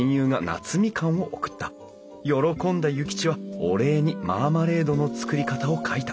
喜んだ諭吉はお礼にマーマレードの作り方を書いた。